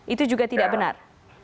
itu juga tidak benar